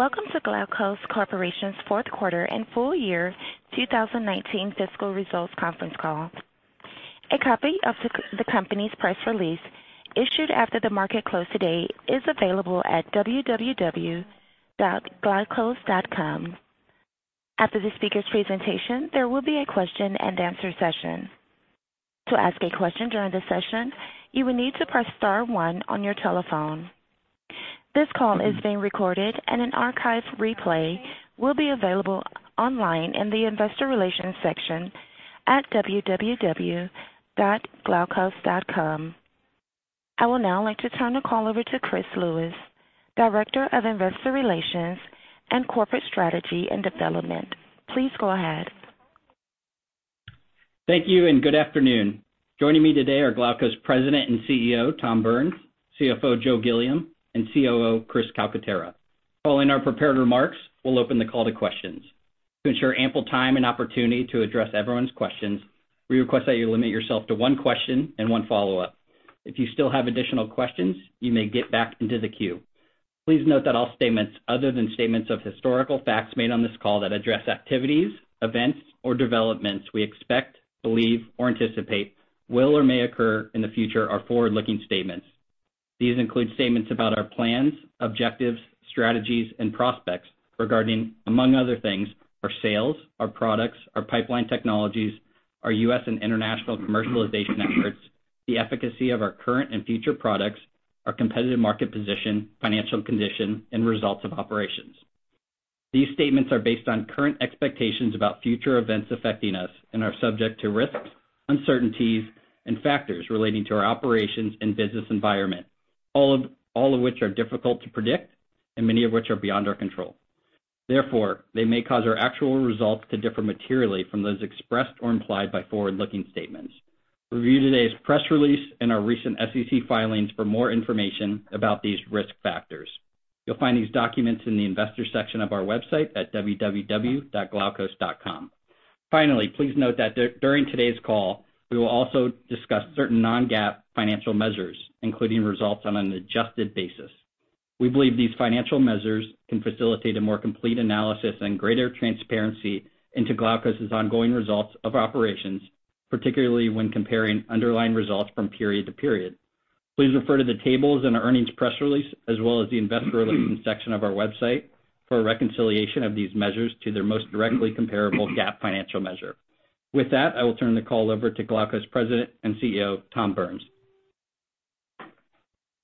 Welcome to Glaukos Corporation's fourth quarter and full year 2019 fiscal results conference call. A copy of the company's press release, issued after the market close today, is available at www.glaukos.com. After the speaker's presentation, there will be a question and answer session. To ask a question during the session, you will need to press star one on your telephone. This call is being recorded and an archive replay will be available online in the investor relations section at www.glaukos.com. I would now like to turn the call over to Chris Lewis, Director of Investor Relations and Corporate Strategy and Development. Please go ahead. Thank you, and good afternoon. Joining me today are Glaukos President and CEO, Thomas Burns, CFO, Joseph Gilliam, and COO, Chris Calcaterra. Following our prepared remarks, we'll open the call to questions. To ensure ample time and opportunity to address everyone's questions, we request that you limit yourself to one question and one follow-up. If you still have additional questions, you may get back into the queue. Please note that all statements other than statements of historical facts made on this call that address activities, events, or developments we expect, believe, or anticipate will or may occur in the future are forward-looking statements. These include statements about our plans, objectives, strategies, and prospects regarding, among other things, our sales, our products, our pipeline technologies, our U.S. and international commercialization efforts, the efficacy of our current and future products, our competitive market position, financial condition, and results of operations. These statements are based on current expectations about future events affecting us and are subject to risks, uncertainties, and factors relating to our operations and business environment, all of which are difficult to predict and many of which are beyond our control. Therefore, they may cause our actual results to differ materially from those expressed or implied by forward-looking statements. Review today's press release and our recent SEC filings for more information about these risk factors. You'll find these documents in the investor section of our website at www.glaukos.com. Finally, please note that during today's call, we will also discuss certain Non-GAAP financial measures, including results on an adjusted basis. We believe these financial measures can facilitate a more complete analysis and greater transparency into Glaukos' ongoing results of operations, particularly when comparing underlying results from period to period. Please refer to the tables in our earnings press release, as well as the investor relations section of our website for a reconciliation of these measures to their most directly comparable GAAP financial measure. With that, I will turn the call over to Glaukos President and CEO, Thomas Burns.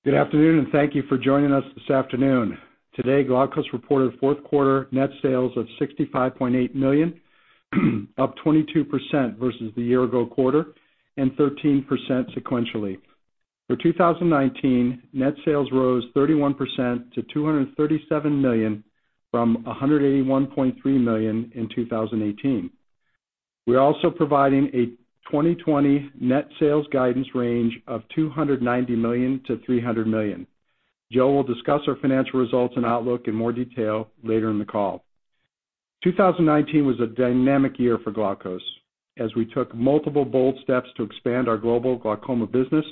Good afternoon. Thank you for joining us this afternoon. Today, Glaukos reported fourth quarter net sales of $65.8 million, up 22% versus the year-ago quarter and 13% sequentially. For 2019, net sales rose 31% - $237 million from $181.3 million in 2018. We're also providing a 2020 net sales guidance range of $290 million-$300 million. Joe will discuss our financial results and outlook in more detail later in the call. 2019 was a dynamic year for Glaukos, as we took multiple bold steps to expand our global glaucoma business,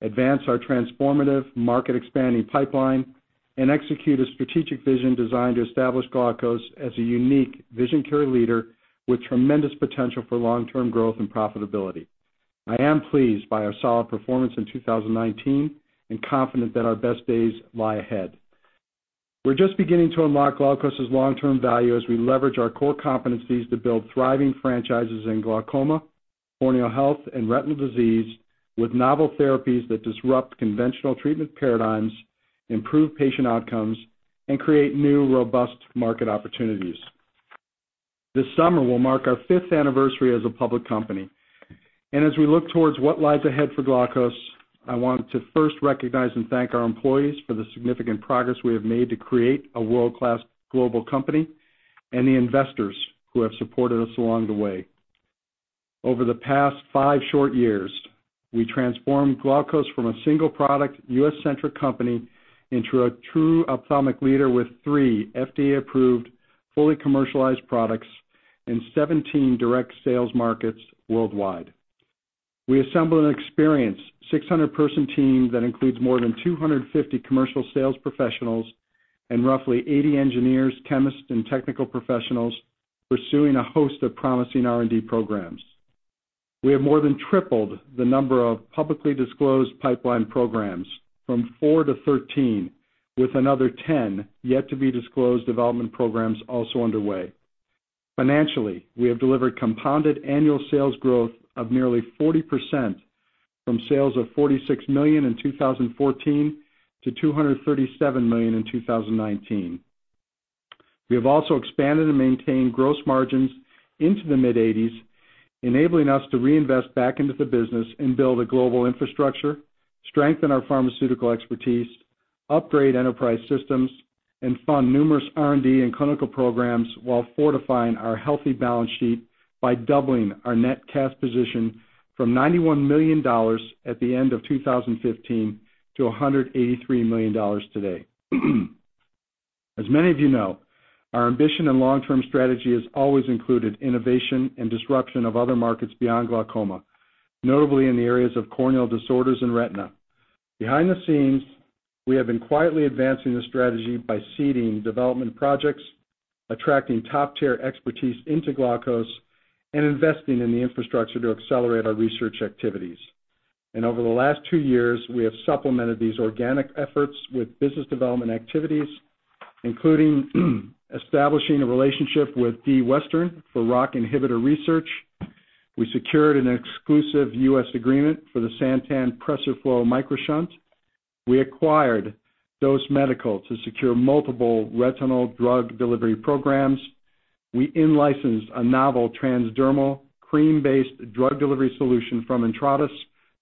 advance our transformative market-expanding pipeline, and execute a strategic vision designed to establish Glaukos as a unique vision care leader with tremendous potential for long-term growth and profitability. I am pleased by our solid performance in 2019 and confident that our best days lie ahead. We're just beginning to unlock Glaukos' long-term value as we leverage our core competencies to build thriving franchises in glaucoma, corneal health, and retinal disease with novel therapies that disrupt conventional treatment paradigms, improve patient outcomes, and create new, robust market opportunities. This summer will mark our fifth anniversary as a public company. As we look towards what lies ahead for Glaukos, I want to first recognize and thank our employees for the significant progress we have made to create a world-class global company, and the investors who have supported us along the way. Over the past five short years, we transformed Glaukos from a single product, U.S.-centric company into a true ophthalmic leader with three FDA-approved, fully commercialized products in 17 direct sales markets worldwide. We assembled an experienced 600-person team that includes more than 250 commercial sales professionals and roughly 80 engineers, chemists, and technical professionals pursuing a host of promising R&D programs. We have more than tripled the number of publicly disclosed pipeline programs from four - 13, with another 10 yet-to-be-disclosed development programs also underway. Financially, we have delivered compounded annual sales growth of nearly 40% from sales of $46 million in 2014 - $237 million in 2019. We have also expanded and maintained gross margins into the mid-80s, enabling us to reinvest back into the business and build a global infrastructure, strengthen our pharmaceutical expertise, upgrade enterprise systems, and fund numerous R&D and clinical programs while fortifying our healthy balance sheet by doubling our net cash position from $91 million at the end of 2015 - $183 million today. As many of you know, our ambition and long-term strategy has always included innovation and disruption of other markets beyond glaucoma. Notably in the areas of corneal disorders and retina. Behind the scenes, we have been quietly advancing the strategy by seeding development projects, attracting top-tier expertise into Glaukos, and investing in the infrastructure to accelerate our research activities. Over the last two years, we have supplemented these organic efforts with business development activities, including establishing a relationship with D. Western for ROCK inhibitor research. We secured an exclusive U.S. agreement for the Santen PRESERFLO MicroShunt. We acquired DOSE Medical to secure multiple retinal drug delivery programs. We in-licensed a novel transdermal cream-based drug delivery solution from Intratus,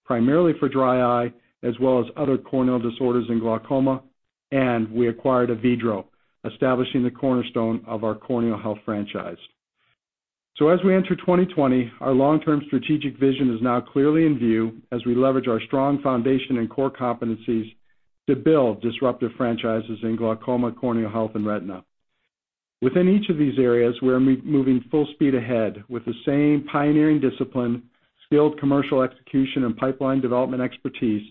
primarily for dry eye as well as other corneal disorders in glaucoma. We acquired Avedro, establishing the cornerstone of our corneal health franchise. As we enter 2020, our long-term strategic vision is now clearly in view as we leverage our strong foundation and core competencies to build disruptive franchises in glaucoma, corneal health, and retina. Within each of these areas, we're moving full speed ahead with the same pioneering discipline, skilled commercial execution, and pipeline development expertise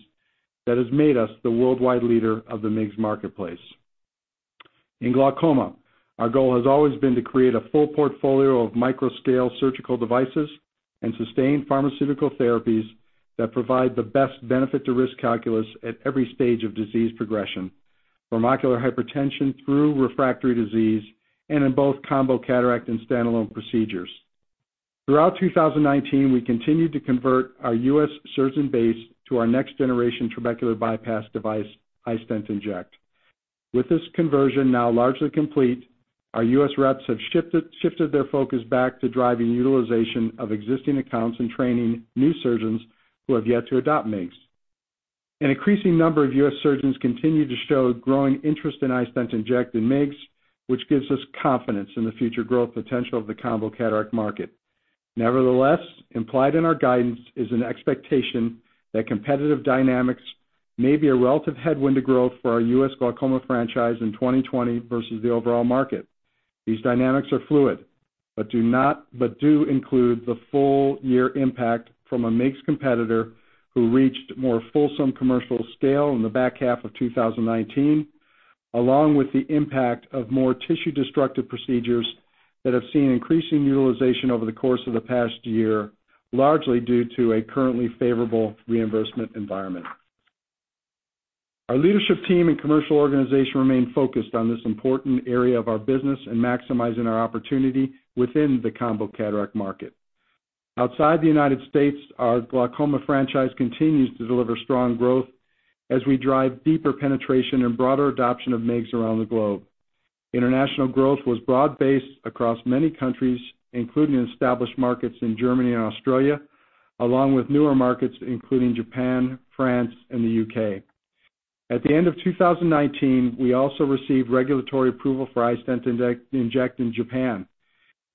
that has made us the worldwide leader of the MIGS marketplace. In glaucoma, our goal has always been to create a full portfolio of micro-scale surgical devices and sustained pharmaceutical therapies that provide the best benefit to risk calculus at every stage of disease progression, from ocular hypertension through refractory disease, and in both combo cataract and standalone procedures. Throughout 2019, we continued to convert our U.S. surgeon base to our next-generation trabecular bypass device, iStent inject. With this conversion now largely complete, our U.S. reps have shifted their focus back to driving utilization of existing accounts and training new surgeons who have yet to adopt MIGS. An increasing number of U.S. surgeons continue to show growing interest in iStent inject and MIGS, which gives us confidence in the future growth potential of the combo cataract market. Nevertheless, implied in our guidance is an expectation that competitive dynamics may be a relative headwind to growth for our U.S. glaucoma franchise in 2020 versus the overall market. These dynamics are fluid, but do include the full year impact from a MIGS competitor who reached more fulsome commercial scale in the back half of 2019, along with the impact of more tissue-destructive procedures that have seen increasing utilization over the course of the past year, largely due to a currently favorable reimbursement environment. Our leadership team and commercial organization remain focused on this important area of our business and maximizing our opportunity within the combo cataract market. Outside the United States, our glaucoma franchise continues to deliver strong growth as we drive deeper penetration and broader adoption of MIGS around the globe. International growth was broad-based across many countries, including established markets in Germany and Australia, along with newer markets including Japan, France, and the U.K. At the end of 2019, we also received regulatory approval for iStent inject in Japan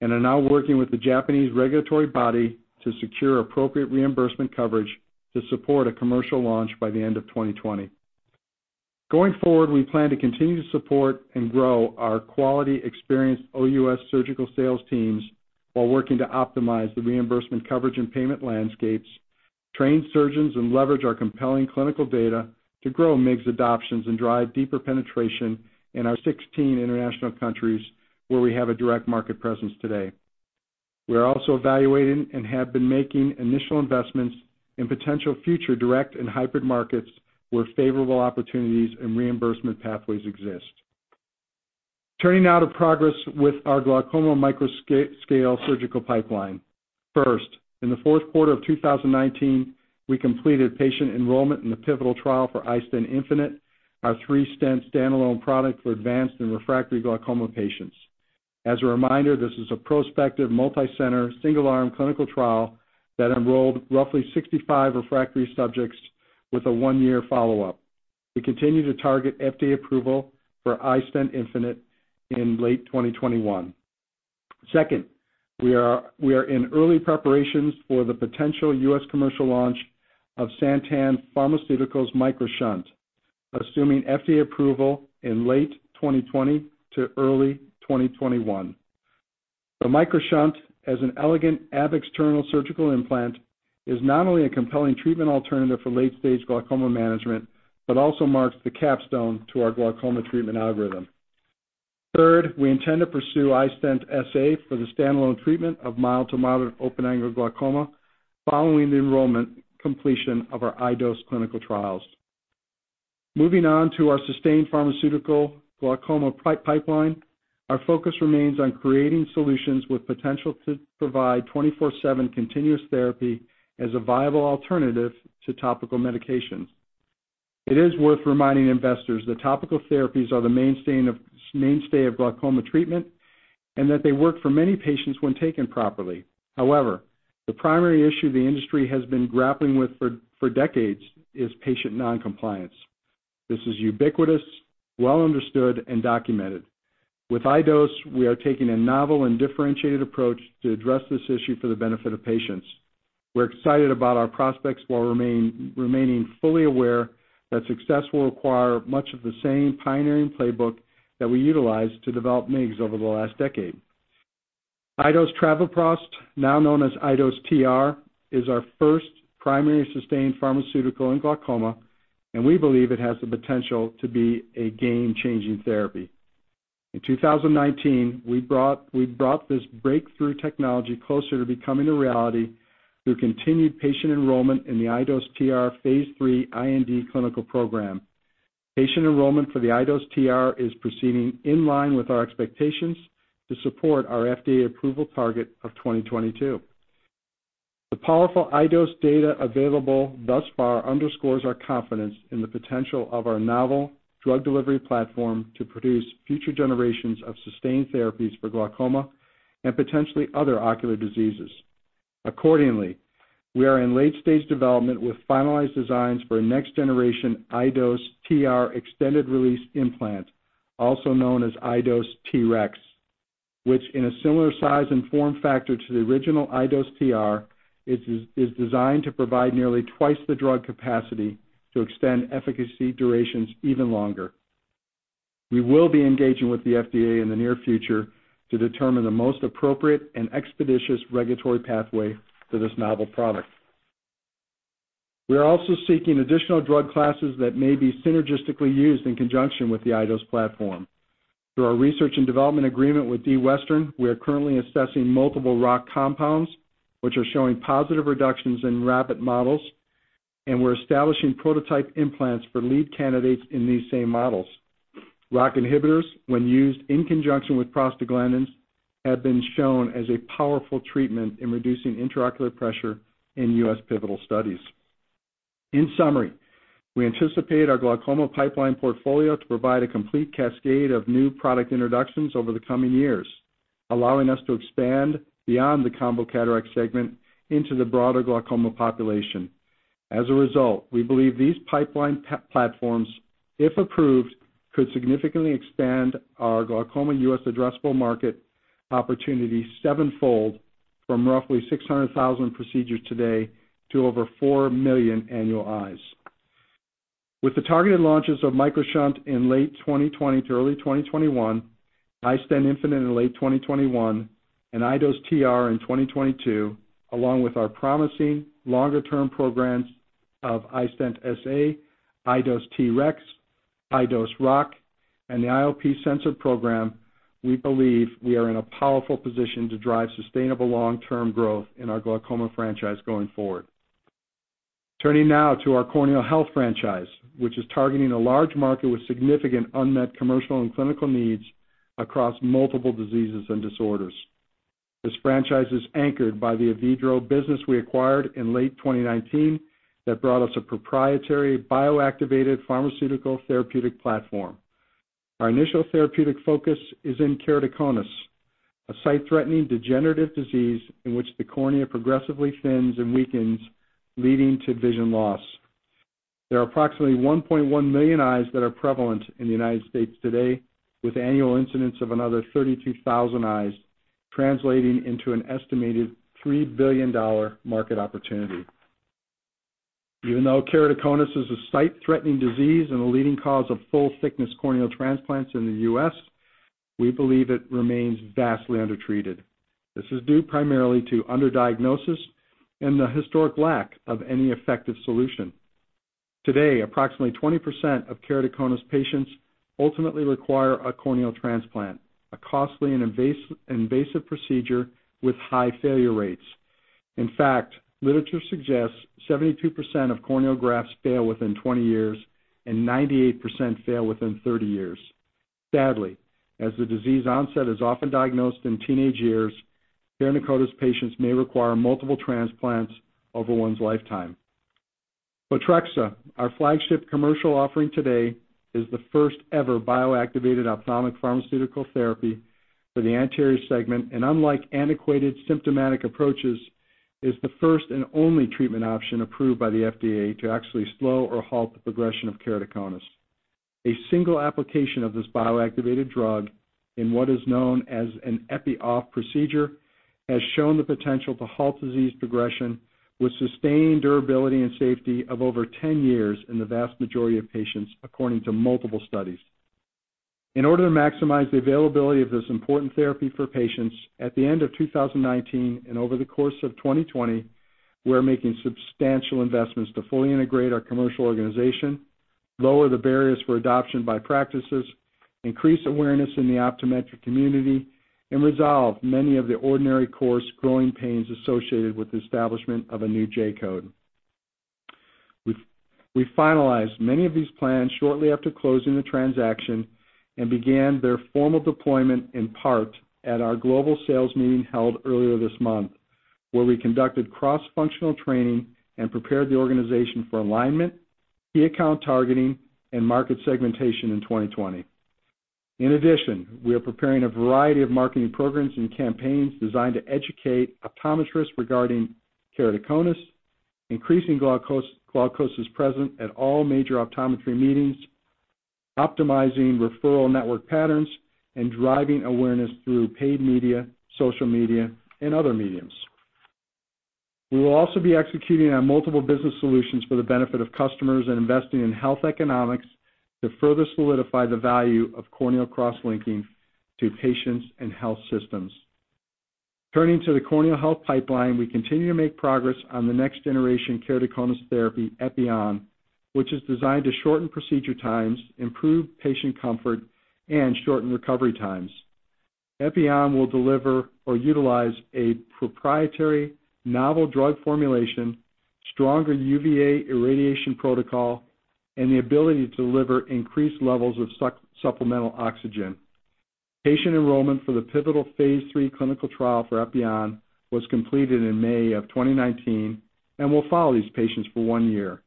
and are now working with the Japanese regulatory body to secure appropriate reimbursement coverage to support a commercial launch by the end of 2020. Going forward, we plan to continue to support and grow our quality experienced OUS surgical sales teams while working to optimize the reimbursement coverage and payment landscapes, train surgeons, and leverage our compelling clinical data to grow MIGS adoptions and drive deeper penetration in our 16 international countries where we have a direct market presence today. We are also evaluating and have been making initial investments in potential future direct and hybrid markets where favorable opportunities and reimbursement pathways exist. Turning now to progress with our glaucoma micro-surgical pipeline. First, in the fourth quarter of 2019, we completed patient enrollment in the pivotal trial for iStent infinite, our three-stent standalone product for advanced and refractory glaucoma patients. As a reminder, this is a prospective, multicenter, single-arm clinical trial that enrolled roughly 65 refractory subjects with a one-year follow-up. We continue to target FDA approval for iStent infinite in late 2021. Second, we are in early preparations for the potential U.S. commercial launch of Santen Pharmaceutical MicroShunt, assuming FDA approval in late 2020 - early 2021. The MicroShunt, as an elegant ab-externo surgical implant, is not only a compelling treatment alternative for late-stage glaucoma management but also marks the capstone to our glaucoma treatment algorithm. Third, we intend to pursue iStent SA for the standalone treatment of mild to moderate open-angle glaucoma following the enrollment completion of our iDose clinical trials. Moving on to our sustained pharmaceutical glaucoma pipeline, our focus remains on creating solutions with potential to provide 24/7 continuous therapy as a viable alternative to topical medications. It is worth reminding investors that topical therapies are the mainstay of glaucoma treatment and that they work for many patients when taken properly. The primary issue the industry has been grappling with for decades is patient non-compliance. This is ubiquitous, well understood, and documented. With iDose, we are taking a novel and differentiated approach to address this issue for the benefit of patients. We're excited about our prospects while remaining fully aware that success will require much of the same pioneering playbook that we utilized to develop MIGS over the last decade. iDose travoprost, now known as iDose TR, is our first primary sustained pharmaceutical in glaucoma, and we believe it has the potential to be a game-changing therapy. In 2019, we brought this breakthrough technology closer to becoming a reality through continued patient enrollment in the iDose TR phase III IND clinical program. Patient enrollment for the iDose TR is proceeding in line with our expectations to support our FDA approval target of 2022. The powerful iDose data available thus far underscores our confidence in the potential of our novel drug delivery platform to produce future generations of sustained therapies for glaucoma and potentially other ocular diseases. Accordingly, we are in late-stage development with finalized designs for a next-generation iDose TR extended release implant, also known as iDose TREX, which in a similar size and form factor to the original iDose TR, is designed to provide nearly 2x the drug capacity to extend efficacy durations even longer. We will be engaging with the FDA in the near future to determine the most appropriate and expeditious regulatory pathway for this novel product. We are also seeking additional drug classes that may be synergistically used in conjunction with the iDose platform. Through our research and development agreement with D. Western, we are currently assessing multiple ROCK compounds, which are showing positive reductions in rabbit models, and we're establishing prototype implants for lead candidates in these same models. ROCK inhibitors, when used in conjunction with prostaglandins, have been shown as a powerful treatment in reducing intraocular pressure in U.S. pivotal studies. In summary, we anticipate our glaucoma pipeline portfolio to provide a complete cascade of new product introductions over the coming years, allowing us to expand beyond the combo cataract segment into the broader glaucoma population. As a result, we believe these pipeline platforms, if approved, could significantly expand our glaucoma U.S. addressable market opportunity sevenfold from roughly 600,000 procedures today to over 4 million annual eyes. With the targeted launches of MicroShunt in late 2020 to early 2021, iStent infinite in late 2021, and iDose TR in 2022, along with our promising longer-term programs of iStent SA, iDose TREX, iDose ROCK, and the IOP sensor program, we believe we are in a powerful position to drive sustainable long-term growth in our glaucoma franchise going forward. Turning now to our corneal health franchise, which is targeting a large market with significant unmet commercial and clinical needs across multiple diseases and disorders. This franchise is anchored by the Avedro business we acquired in late 2019 that brought us a proprietary bio-activated pharmaceutical therapeutic platform. Our initial therapeutic focus is in keratoconus, a sight-threatening degenerative disease in which the cornea progressively thins and weakens, leading to vision loss. There are approximately 1.1 million eyes that are prevalent in the U.S. today, with annual incidents of another 32,000 eyes, translating into an estimated $3 billion market opportunity. Even though keratoconus is a sight-threatening disease and a leading cause of full thickness corneal transplants in the U.S., we believe it remains vastly undertreated. This is due primarily to under-diagnosis and the historic lack of any effective solution. Today, approximately 20% of keratoconus patients ultimately require a corneal transplant, a costly and invasive procedure with high failure rates. In fact, literature suggests 72% of corneal grafts fail within 20 years and 98% fail within 30 years. Sadly, as the disease onset is often diagnosed in teenage years, keratoconus patients may require multiple transplants over one's lifetime. Photrexa, our flagship commercial offering today, is the first-ever bio-activated ophthalmic pharmaceutical therapy for the anterior segment, and unlike antiquated symptomatic approaches, is the first and only treatment option approved by the FDA to actually slow or halt the progression of keratoconus. A single application of this bio-activated drug in what is known as an epi-off procedure, has shown the potential to halt disease progression with sustained durability and safety of over 10 years in the vast majority of patients, according to multiple studies. In order to maximize the availability of this important therapy for patients, at the end of 2019 and over the course of 2020, we're making substantial investments to fully integrate our commercial organization, lower the barriers for adoption by practices, increase awareness in the optometric community, and resolve many of the ordinary course growing pains associated with the establishment of a new J-code. We finalized many of these plans shortly after closing the transaction and began their formal deployment in part at our global sales meeting held earlier this month, where we conducted cross-functional training and prepared the organization for alignment, key account targeting, and market segmentation in 2020. In addition, we are preparing a variety of marketing programs and campaigns designed to educate optometrists regarding keratoconus, increasing Glaukos' presence at all major optometry meetings, optimizing referral network patterns, and driving awareness through paid media, social media, and other mediums. We will also be executing on multiple business solutions for the benefit of customers and investing in health economics to further solidify the value of corneal cross-linking to patients and health systems. Turning to the corneal health pipeline, we continue to make progress on the next generation keratoconus therapy, Epioxa, which is designed to shorten procedure times, improve patient comfort, and shorten recovery times. Epioxa will deliver or utilize a proprietary novel drug formulation, stronger UVA irradiation protocol, and the ability to deliver increased levels of supplemental oxygen. Patient enrollment for the pivotal phase III clinical trial for Epioxa was completed in May of 2019 and will follow these patients for one year.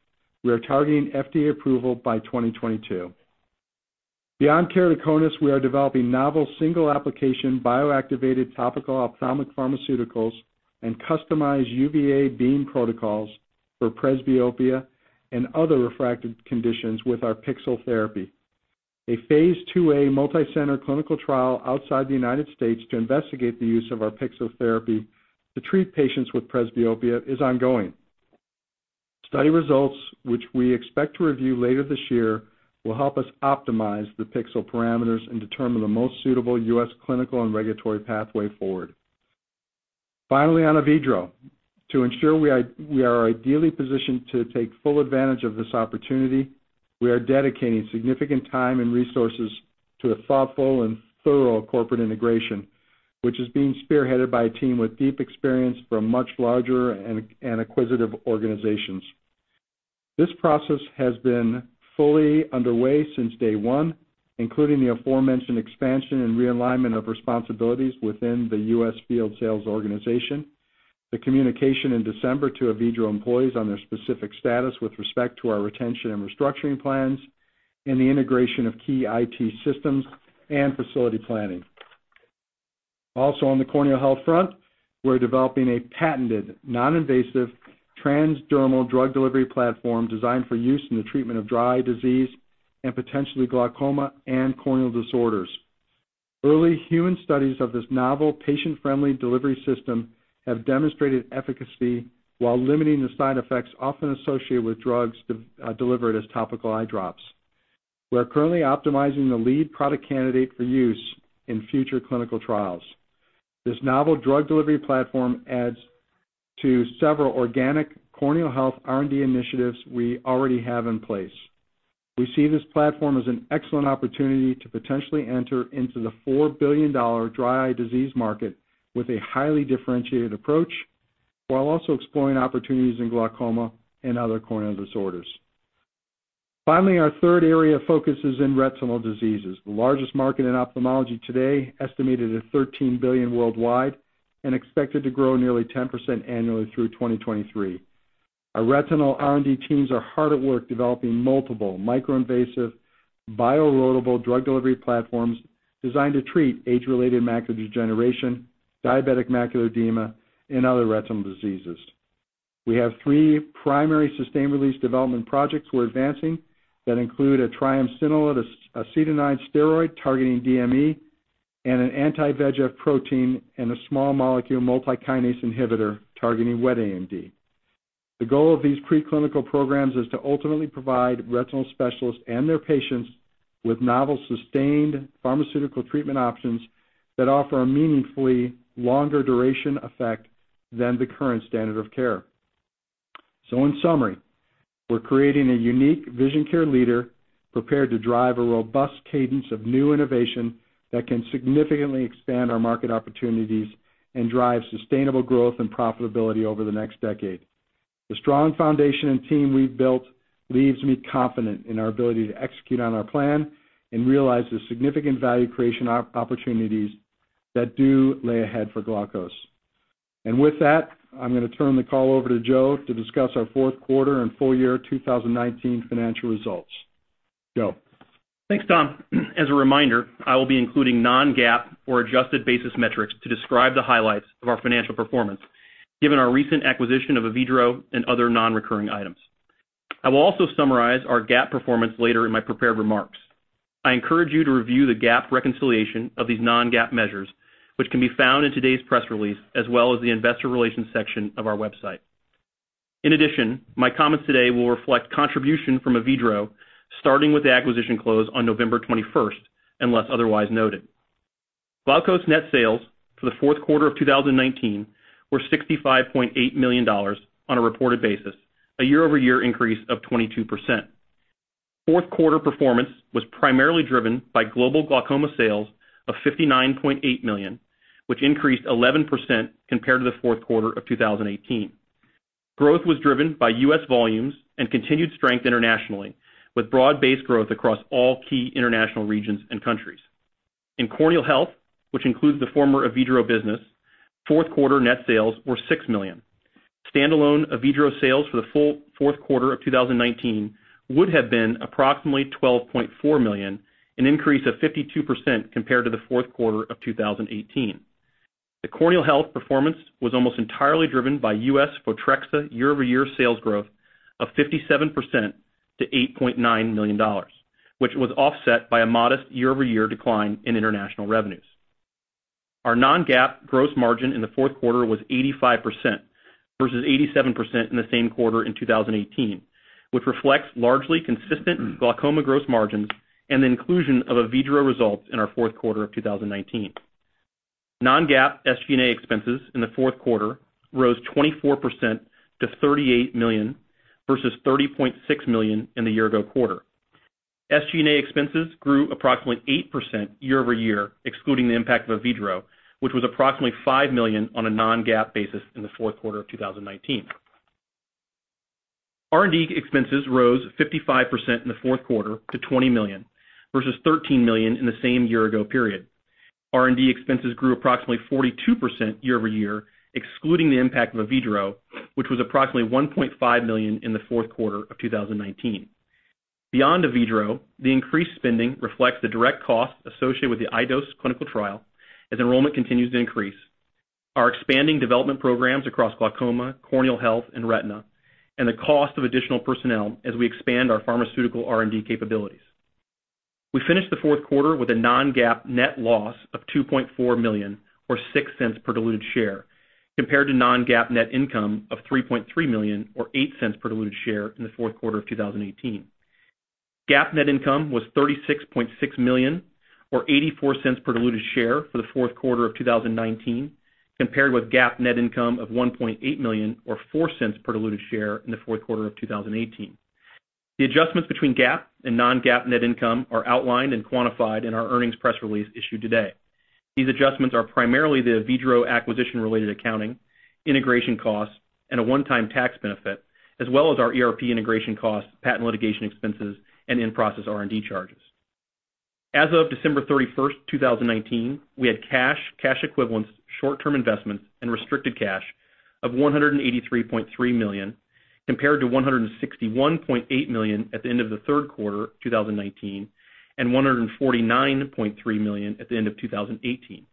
We are targeting FDA approval by 2022. Beyond keratoconus, we are developing novel single application bio-activated topical ophthalmic pharmaceuticals and customized UVA beam protocols for presbyopia and other refractive conditions with our Pixel therapy. A phase IIA multi-center clinical trial outside the U.S. to investigate the use of our Pixel therapy to treat patients with presbyopia is ongoing. Study results, which we expect to review later this year, will help us optimize the Pixel parameters and determine the most suitable U.S. clinical and regulatory pathway forward. Finally, on Avedro. To ensure we are ideally positioned to take full advantage of this opportunity, we are dedicating significant time and resources to a thoughtful and thorough corporate integration, which is being spearheaded by a team with deep experience from much larger and acquisitive organizations. This process has been fully underway since day one, including the aforementioned expansion and realignment of responsibilities within the U.S. field sales organization, the communication in December to Avedro employees on their specific status with respect to our retention and restructuring plans, and the integration of key IT systems and facility planning. On the corneal health front, we're developing a patented, non-invasive transdermal drug delivery platform designed for use in the treatment of dry eye disease and potentially glaucoma and corneal disorders. Early human studies of this novel patient-friendly delivery system have demonstrated efficacy while limiting the side effects often associated with drugs delivered as topical eye drops. We are currently optimizing the lead product candidate for use in future clinical trials. This novel drug delivery platform adds to several organic corneal health R&D initiatives we already have in place. We see this platform as an excellent opportunity to potentially enter into the $4 billion dry eye disease market with a highly differentiated approach, while also exploring opportunities in glaucoma and other corneal disorders. Our third area of focus is in retinal diseases, the largest market in ophthalmology today, estimated at $13 billion worldwide and expected to grow nearly 10% annually through 2023. Our retinal R&D teams are hard at work developing multiple micro-invasive bio-loadable drug delivery platforms designed to treat age-related macular degeneration, diabetic macular edema, and other retinal diseases. We have three primary sustained release development projects we're advancing that include a triamcinolone acetonide steroid targeting DME and an anti-VEGF protein and a small molecule multikinase inhibitor targeting wet AMD. The goal of these preclinical programs is to ultimately provide retinal specialists and their patients with novel sustained pharmaceutical treatment options that offer a meaningfully longer duration effect than the current standard of care. In summary, we're creating a unique vision care leader prepared to drive a robust cadence of new innovation that can significantly expand our market opportunities and drive sustainable growth and profitability over the next decade. The strong foundation and team we've built leaves me confident in our ability to execute on our plan and realize the significant value creation opportunities that do lay ahead for Glaukos. With that, I'm going to turn the call over to Joe to discuss our fourth quarter and full year 2019 financial results. Joe. Thanks, Tom. As a reminder, I will be including Non-GAAP or adjusted basis metrics to describe the highlights of our financial performance, given our recent acquisition of Avedro and other non-recurring items. I will also summarize our GAAP performance later in my prepared remarks. I encourage you to review the GAAP reconciliation of these Non-GAAP measures, which can be found in today's press release, as well as the investor relations section of our website. In addition, my comments today will reflect contribution from Avedro, starting with the acquisition close on November 21st, unless otherwise noted. Glaukos net sales for the fourth quarter of 2019 were $65.8 million on a reported basis, a year-over-year increase of 22%. Fourth quarter performance was primarily driven by global glaucoma sales of $59.8 million, which increased 11% compared to the fourth quarter of 2018. Growth was driven by U.S. volumes and continued strength internationally, with broad-based growth across all key international regions and countries. In corneal health, which includes the former Avedro business, fourth quarter net sales were $6 million. Standalone Avedro sales for the full fourth quarter of 2019 would have been approximately $12.4 million, an increase of 52% compared to the fourth quarter of 2018. The corneal health performance was almost entirely driven by U.S. Photrexa year-over-year sales growth of 57% - $8.9 million, which was offset by a modest year-over-year decline in international revenues. Our Non-GAAP gross margin in the fourth quarter was 85% versus 87% in the same quarter in 2018, which reflects largely consistent glaucoma gross margins and the inclusion of Avedro results in our fourth quarter of 2019. Non-GAAP SG&A expenses in the fourth quarter rose 24% - $38 million versus $30.6 million in the year ago quarter. SG&A expenses grew approximately 8% year-over-year, excluding the impact of Avedro, which was approximately $5 million on a Non-GAAP basis in the fourth quarter of 2019. R&D expenses rose 55% in the fourth quarter to $20 million versus $13 million in the same year ago period. R&D expenses grew approximately 42% year-over-year, excluding the impact of Avedro, which was approximately $1.5 million in the fourth quarter of 2019. Beyond Avedro, the increased spending reflects the direct cost associated with the iDose clinical trial as enrollment continues to increase. Our expanding development programs across glaucoma, corneal health, and retina, and the cost of additional personnel as we expand our pharmaceutical R&D capabilities. We finished the fourth quarter with a Non-GAAP net loss of $2.4 million or $0.06 per diluted share compared to Non-GAAP net income of $3.3 million or $0.08 per diluted share in the fourth quarter of 2018. GAAP net income was $36.6 million or $0.84 per diluted share for the fourth quarter of 2019, compared with GAAP net income of $1.8 million or $0.04 per diluted share in the fourth quarter of 2018. The adjustments between GAAP and Non-GAAP net income are outlined and quantified in our earnings press release issued today. These adjustments are primarily the Avedro acquisition-related accounting, integration costs, and a one-time tax benefit, as well as our ERP integration costs, patent litigation expenses, and in-process R&D charges. As of December 31st, 2019, we had cash equivalents, short-term investments, and restricted cash of $183.3 million, compared to $161.8 million at the end of the third quarter 2019, and $149.3 million at the end of 2018.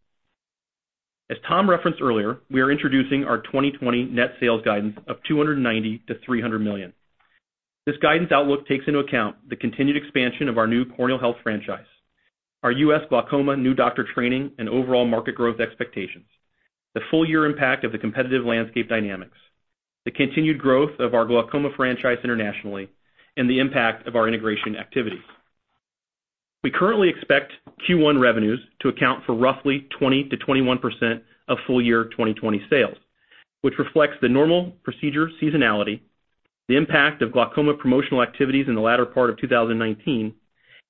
As Tom referenced earlier, we are introducing our 2020 net sales guidance of $290 million-$300 million. This guidance outlook takes into account the continued expansion of our new corneal health franchise, our U.S. glaucoma new doctor training and overall market growth expectations, the full year impact of the competitive landscape dynamics, the continued growth of our glaucoma franchise internationally, and the impact of our integration activities. We currently expect Q1 revenues to account for roughly 20%-21% of full year 2020 sales, which reflects the normal procedure seasonality, the impact of glaucoma promotional activities in the latter part of 2019,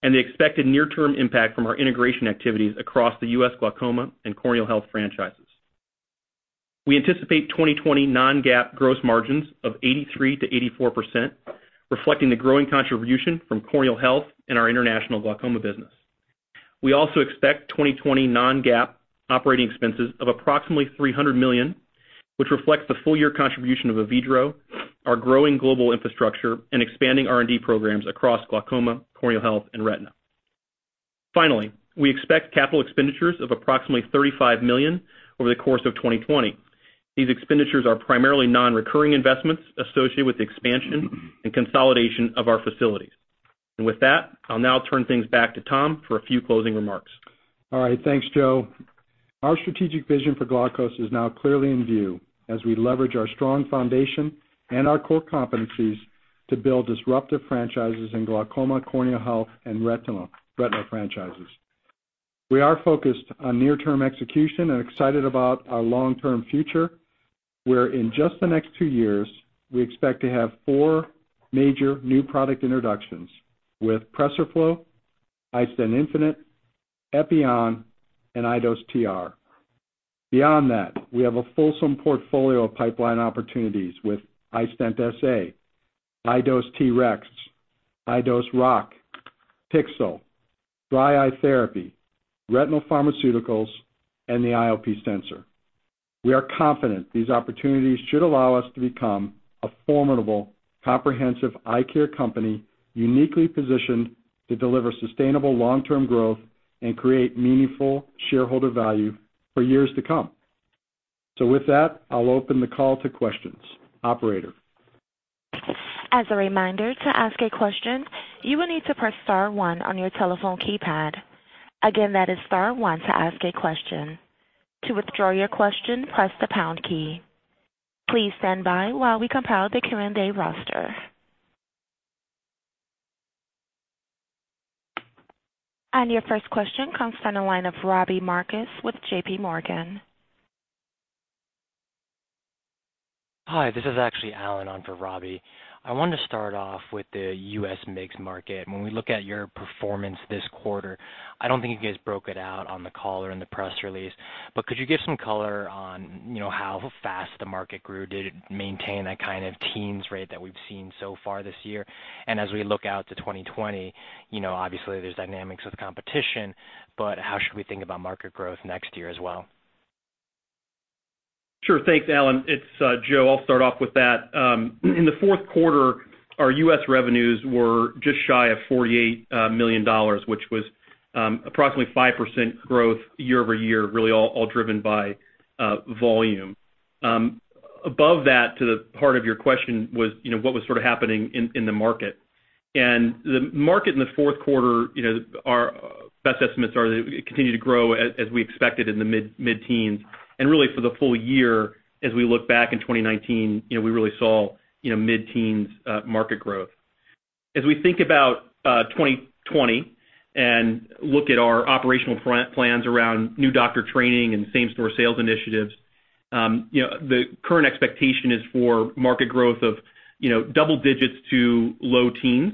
and the expected near-term impact from our integration activities across the U.S. glaucoma and corneal health franchises. We anticipate 2020 Non-GAAP gross margins of 83%-84%, reflecting the growing contribution from corneal health and our international glaucoma business. We also expect 2020 Non-GAAP operating expenses of approximately $300 million, which reflects the full year contribution of Avedro, our growing global infrastructure, and expanding R&D programs across glaucoma, corneal health, and retina. Finally, we expect capital expenditures of approximately $35 million over the course of 2020. These expenditures are primarily non-recurring investments associated with the expansion and consolidation of our facilities. With that, I'll now turn things back to Tom for a few closing remarks. All right. Thanks, Joe. Our strategic vision for Glaukos is now clearly in view as we leverage our strong foundation and our core competencies to build disruptive franchises in glaucoma, corneal health, and retinal franchises. We are focused on near-term execution and excited about our long-term future, where in just the next two years, we expect to have four major new product introductions with PRESERFLO, iStent infinite, Epioxa, and iDose TR. Beyond that, we have a fulsome portfolio of pipeline opportunities with iStent SA, iDose TREX, iDose ROCK, Pixel, Dry Eye Therapy, retinal pharmaceuticals, and the IOP sensor. We are confident these opportunities should allow us to become a formidable, comprehensive eye care company, uniquely positioned to deliver sustainable long-term growth and create meaningful shareholder value for years to come. With that, I'll open the call to questions. Operator. As a reminder, to ask a question, you will need to press star one on your telephone keypad. Again, that is star one to ask a question. To withdraw your question, press the pound key. Please stand by while we compile the Q&A roster. Your first question comes from the line of Robbie Marcus with JPMorgan. Hi, this is actually Alan on for Robbie. I wanted to start off with the U.S. MIGS market. When we look at your performance this quarter, I don't think you guys broke it out on the call or in the press release, but could you give some color on how fast the market grew? Did it maintain that kind of teens rate that we've seen so far this year? As we look out to 2020, obviously there's dynamics with competition, but how should we think about market growth next year as well? Sure. Thanks, Alan. It's Joe. I'll start off with that. In the fourth quarter, our U.S. revenues were just shy of $48 million, which was approximately 5% growth year-over-year, really all driven by volume. Above that, to the part of your question was what was sort of happening in the market. The market in the fourth quarter, our best estimates are that it continued to grow as we expected in the mid-teens. Really for the full year, as we look back in 2019, we really saw mid-teens market growth. As we think about 2020 and look at our operational plans around new doctor training and same-store sales initiatives, the current expectation is for market growth of double digits to low teens.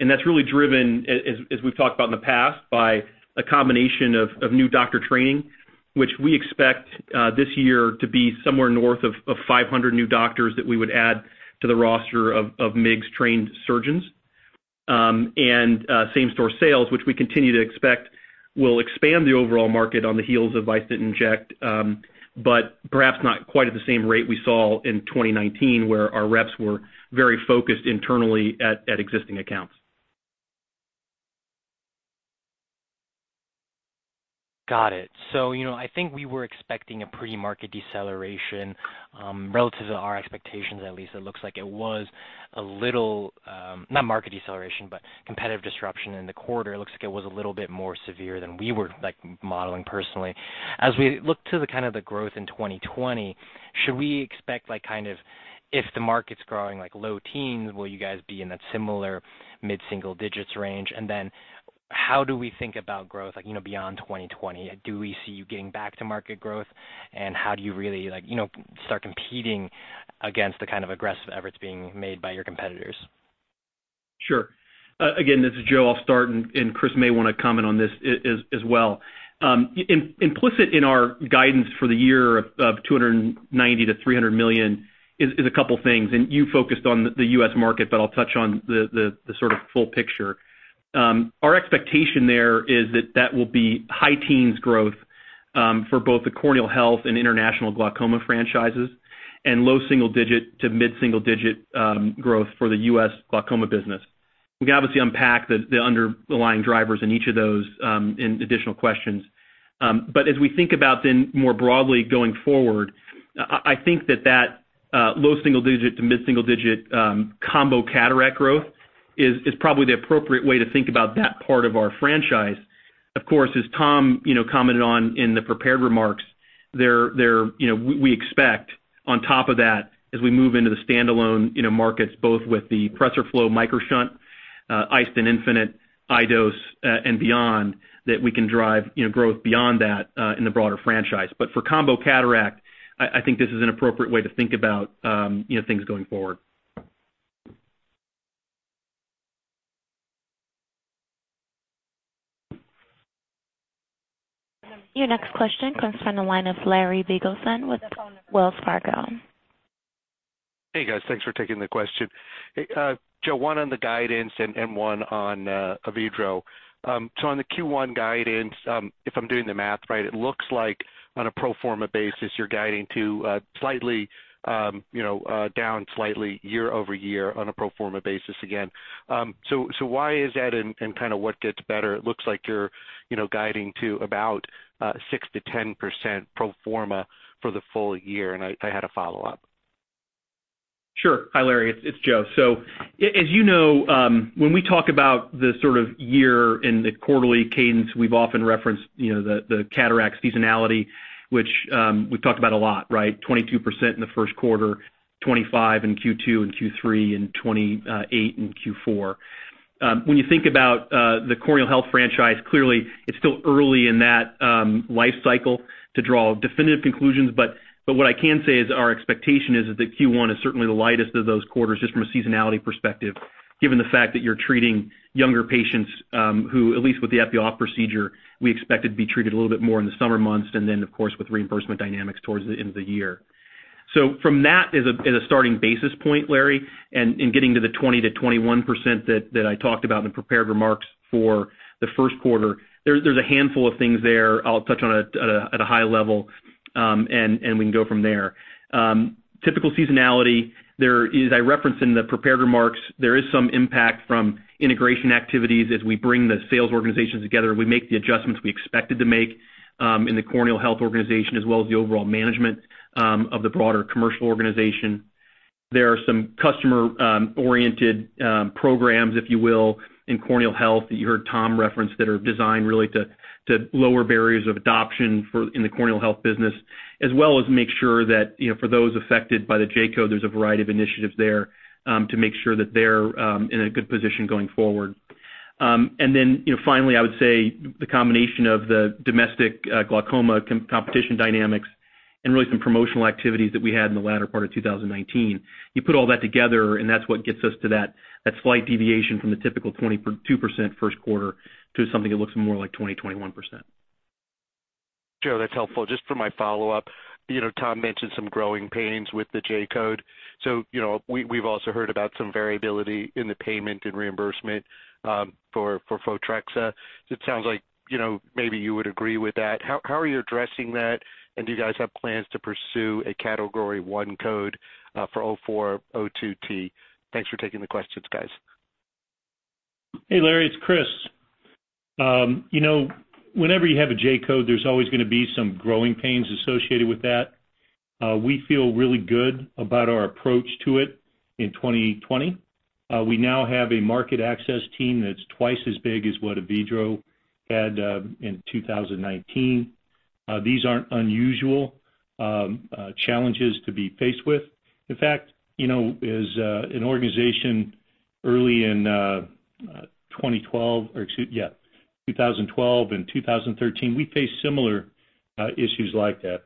That's really driven, as we've talked about in the past, by a combination of new doctor training, which we expect this year to be somewhere north of 500 new doctors that we would add to the roster of MIGS-trained surgeons. Same-store sales, which we continue to expect will expand the overall market on the heels of iStent inject, but perhaps not quite at the same rate we saw in 2019, where our reps were very focused internally at existing accounts. I think we were expecting a pre-market deceleration relative to our expectations, at least. It looks like it was not market deceleration, but competitive disruption in the quarter. It looks like it was a little bit more severe than we were modeling personally. As we look to the kind of growth in 2020, should we expect if the market's growing low teens, will you guys be in that similar mid-single digits range? How do we think about growth beyond 2020? Do we see you getting back to market growth, and how do you really start competing against the kind of aggressive efforts being made by your competitors? Sure. Again, this is Joe. I'll start, and Chris may want to comment on this as well. Implicit in our guidance for the year of $290 million-$300 million is a couple things, and you focused on the U.S. market, but I'll touch on the sort of full picture. Our expectation there is that that will be high teens growth for both the corneal health and international glaucoma franchises and low double digit to mid-single digit growth for the U.S. glaucoma business. We can obviously unpack the underlying drivers in each of those in additional questions. As we think about then more broadly going forward, I think that low single digit to mid-single digit combo cataract growth is probably the appropriate way to think about that part of our franchise. Of course, as Tom commented on in the prepared remarks, we expect on top of that, as we move into the standalone markets, both with the PRESERFLO MicroShunt, iStent infinite, iDose, and beyond, that we can drive growth beyond that in the broader franchise. For combo cataract, I think this is an appropriate way to think about things going forward. Your next question comes from the line of Larry Biegelsen with Wells Fargo. Hey, guys. Thanks for taking the question. Joe, one on the guidance and one on Avedro. On the Q1 guidance, if I'm doing the math right, it looks like on a pro forma basis, you're guiding to down slightly year-over-year on a pro forma basis again. Why is that and kind of what gets better? It looks like you're guiding to about 6%-10% pro forma for the full year. I had a follow-up. Sure. Hi, Larry. It's Joe. As you know, when we talk about the sort of year and the quarterly cadence, we've often referenced the cataract seasonality, which we've talked about a lot, right? 22% in the first quarter, 25 in Q2 and Q3, and 28 in Q4. When you think about the corneal health franchise, clearly it's still early in that life cycle to draw definitive conclusions. What I can say is our expectation is that Q1 is certainly the lightest of those quarters just from a seasonality perspective, given the fact that you're treating younger patients who, at least with the epi-off procedure, we expect to be treated a little bit more in the summer months and then, of course, with reimbursement dynamics towards the end of the year. From that as a starting basis point, Larry, and getting to the 20%-21% that I talked about in the prepared remarks for the first quarter, there's a handful of things there I'll touch on at a high level, and we can go from there. Typical seasonality, I referenced in the prepared remarks, there is some impact from integration activities as we bring the sales organizations together and we make the adjustments we expected to make in the corneal health organization as well as the overall management of the broader commercial organization. There are some customer-oriented programs, if you will, in corneal health that you heard Tom reference that are designed really to lower barriers of adoption in the corneal health business, as well as make sure that for those affected by the J-code, there's a variety of initiatives there to make sure that they're in a good position going forward. Finally, I would say the combination of the domestic glaucoma competition dynamics and really some promotional activities that we had in the latter part of 2019. You put all that together, that's what gets us to that slight deviation from the typical 22% first quarter to something that looks more like 20%, 21%. Joe, that's helpful. Just for my follow-up, Tom mentioned some growing pains with the J-code. We've also heard about some variability in the payment and reimbursement for Photrexa. It sounds like maybe you would agree with that. How are you addressing that, do you guys have plans to pursue a Category one code for 0402T? Thanks for taking the questions, guys. Hey, Larry, it's Chris. Whenever you have a J-code, there's always going to be some growing pains associated with that. We feel really good about our approach to it in 2020. We now have a market access team that's twice as big as what Avedro had in 2019. These aren't unusual challenges to be faced with. In fact, as an organization early in 2012 and 2013, we faced similar issues like that.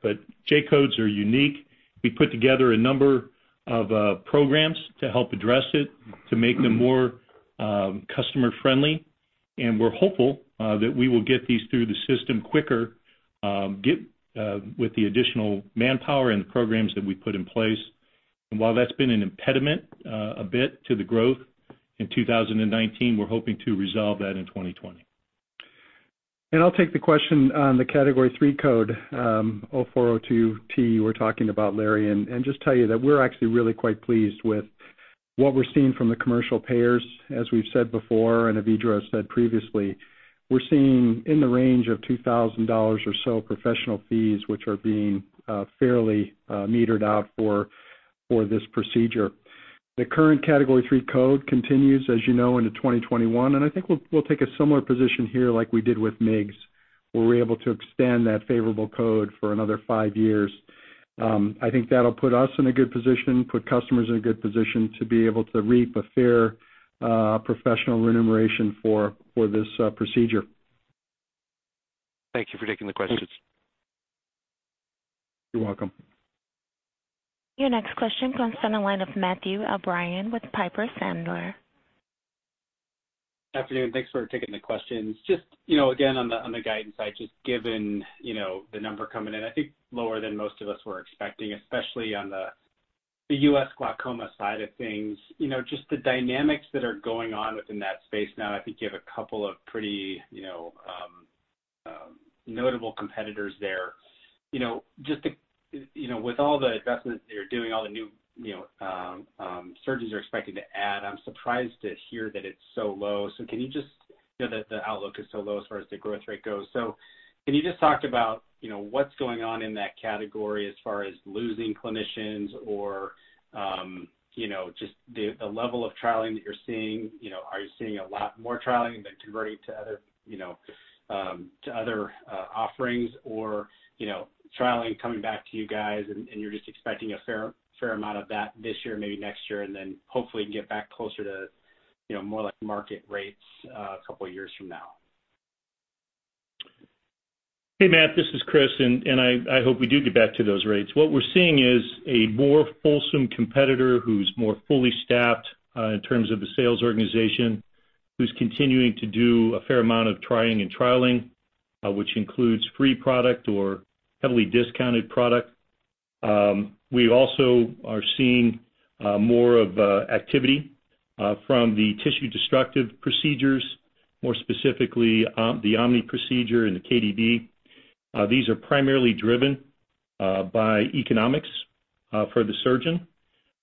J-codes are unique. We put together a number of programs to help address it, to make them more customer-friendly, and we're hopeful that we will get these through the system quicker with the additional manpower and programs that we put in place. While that's been an impediment a bit to the growth in 2019, we're hoping to resolve that in 2020. I'll take the question on the category three code, 0402T, you were talking about, Larry, and just tell you that we're actually really quite pleased with what we're seeing from the commercial payers. As we've said before, and Avedro said previously, we're seeing in the range of $2,000 or so professional fees, which are being fairly metered out for this procedure. The current category three code continues, as you know, into 2021. I think we'll take a similar position here like we did with MIGS, where we're able to extend that favorable code for another five years. I think that'll put us in a good position, put customers in a good position to be able to reap a fair professional remuneration for this procedure. Thank you for taking the questions. You're welcome. Your next question comes from the line of Matthew O'Brien with Piper Sandler. Afternoon. Thanks for taking the questions. Just again, on the guidance side, just given the number coming in, I think lower than most of us were expecting, especially on the U.S. glaucoma side of things. Just the dynamics that are going on within that space now, I think you have a couple of pretty notable competitors there. With all the investments that you're doing, all the new surgeons you're expecting to add, I'm surprised to hear that it's so low. That the outlook is so low as far as the growth rate goes. Can you just talk about what's going on in that category as far as losing clinicians or just the level of trialing that you're seeing? Are you seeing a lot more trialing than converting to other offerings or trialing coming back to you guys and you're just expecting a fair amount of that this year, maybe next year, and then hopefully you can get back closer to more like market rates a couple of years from now? Hey, Matt, this is Chris. I hope we do get back to those rates. What we're seeing is a more fulsome competitor who's more fully staffed in terms of the sales organization, who's continuing to do a fair amount of trying and trialing, which includes free product or heavily discounted product. We also are seeing more of activity from the tissue-destructive procedures, more specifically the OMNI procedure and the KDB. These are primarily driven by economics for the surgeon.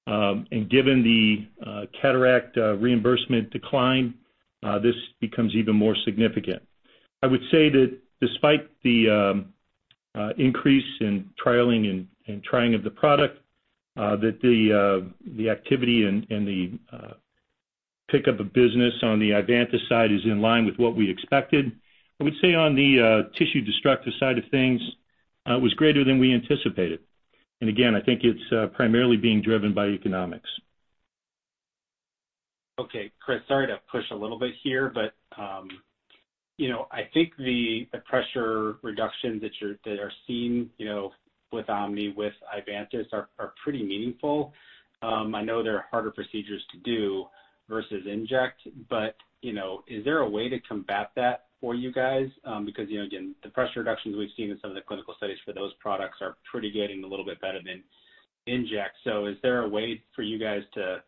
Given the cataract reimbursement decline, this becomes even more significant. I would say that despite the increase in trialing and trying of the product, that the activity and the pickup of business on the Ivantis side is in line with what we expected. I would say on the tissue-destructive side of things, it was greater than we anticipated. Again, I think it's primarily being driven by economics. Okay. Chris, sorry to push a little bit here. I think the pressure reductions that are seen with Omni, with Ivantis are pretty meaningful. I know they're harder procedures to do versus inject. Is there a way to combat that for you guys? Again, the pressure reductions we've seen in some of the clinical studies for those products are pretty getting a little bit better than inject. Is there a way for you guys to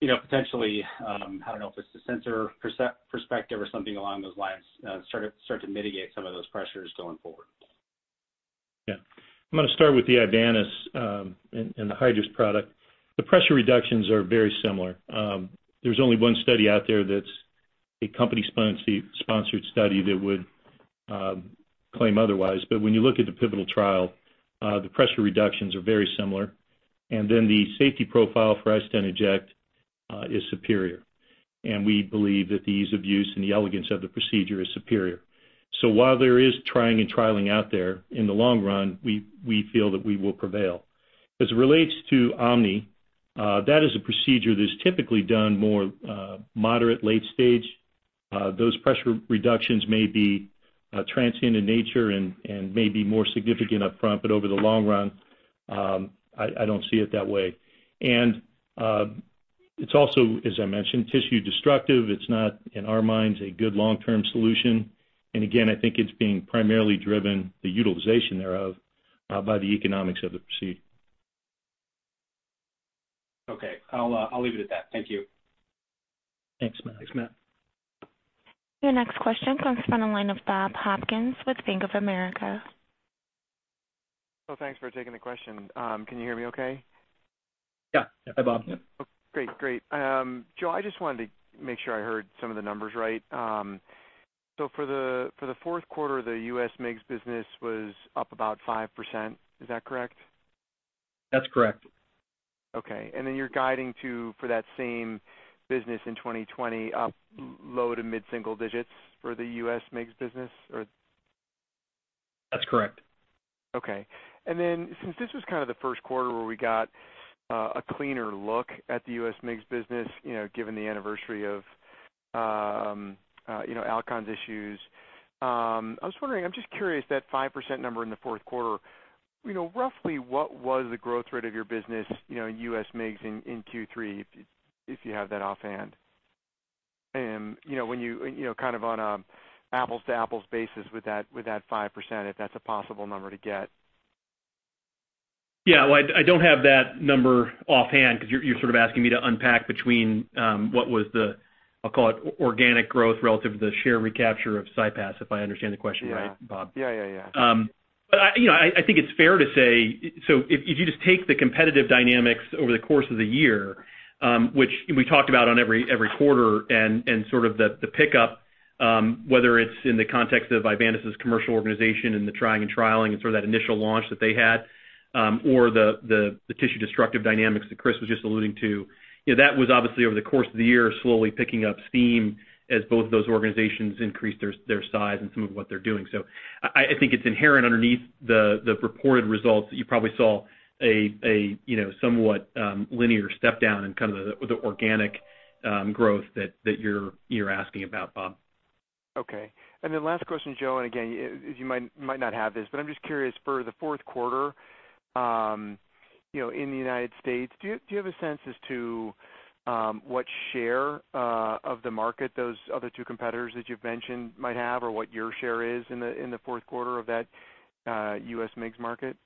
potentially, I don't know if it's the sensor perspective or something along those lines, start to mitigate some of those pressures going forward? Yeah. I'm going to start with the Ivantis and the Hydrus product. The pressure reductions are very similar. There's only one study out there that's a company-sponsored study that would claim otherwise. When you look at the pivotal trial, the pressure reductions are very similar, and then the safety profile for iStent inject is superior. We believe that the ease of use and the elegance of the procedure is superior. While there is trying and trialing out there, in the long run, we feel that we will prevail. As it relates to Omni, that is a procedure that's typically done more moderate, late stage. Those pressure reductions may be transient in nature and may be more significant up front, but over the long run, I don't see it that way. It's also, as I mentioned, tissue destructive. It's not, in our minds, a good long-term solution. Again, I think it's being primarily driven, the utilization thereof, by the economics of the procedure. Okay. I'll leave it at that. Thank you. Thanks, Matt. Thanks, Matt. Your next question comes from the line of Bob Hopkins with Bank of America. Thanks for taking the question. Can you hear me okay? Yeah. Hi, Bob. Yeah. Great. Joe, I just wanted to make sure I heard some of the numbers right. For the fourth quarter, the U.S. MIGS business was up about 5%. Is that correct? That's correct. Okay. You're guiding to, for that same business in 2020, up low to mid-single digits for the U.S. MIGS business, or? That's correct. Okay. Since this was kind of the first quarter where we got a cleaner look at the U.S. MIGS business, given the anniversary of Alcon's issues, I was wondering, I'm just curious, that 5% number in the fourth quarter, roughly what was the growth rate of your business, U.S. MIGS in Q3, if you have that offhand? When you, kind of on an apples-to-apples basis with that 5%, if that's a possible number to get? Yeah. Well, I don't have that number offhand because you're sort of asking me to unpack between what was the, I'll call it organic growth relative to the share recapture of CyPass, if I understand the question right, Bob. Yeah. I think it's fair to say, if you just take the competitive dynamics over the course of the year, which, and we talked about on every quarter and sort of the pickup, whether it's in the context of Ivantis's commercial organization and the trying and trialing and sort of that initial launch that they had, or the tissue-destructive dynamics that Chris was just alluding to. That was obviously over the course of the year, slowly picking up steam as both of those organizations increased their size and some of what they're doing. I think it's inherent underneath the reported results that you probably saw a somewhat linear step down in kind of the organic growth that you're asking about, Bob. Okay. Last question, Joe, and again, you might not have this, but I'm just curious, for the fourth quarter in the U.S., do you have a sense as to what share of the market those other two competitors that you've mentioned might have, or what your share is in the fourth quarter of that U.S. MIGS market?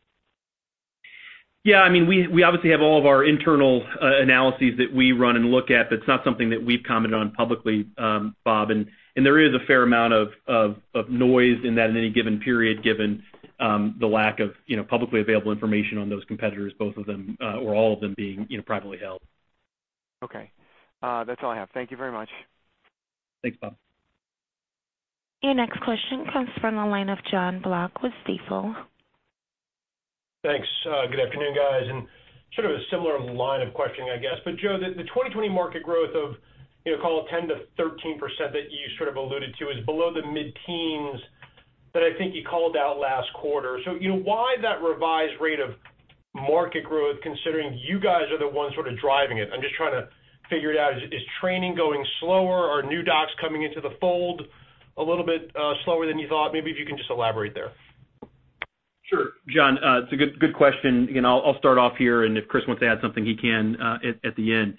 Yeah, we obviously have all of our internal analyses that we run and look at. That's not something that we've commented on publicly, Bob, and there is a fair amount of noise in that in any given period, given the lack of publicly available information on those competitors, both of them, or all of them being privately held. Okay. That's all I have. Thank you very much. Thanks, Bob. Your next question comes from the line of Jonathan Block with Stifel. Thanks. Good afternoon, guys, and sort of a similar line of questioning, I guess. Joe, the 2020 market growth of call it 10%-13% that you sort of alluded to is below the mid-teens that I think you called out last quarter. Why that revised rate of market growth considering you guys are the ones sort of driving it? I'm just trying to figure it out. Is training going slower? Are new docs coming into the fold a little bit slower than you thought? Maybe if you can just elaborate there. Sure. John, it's a good question. I'll start off here, and if Chris wants to add something, he can at the end.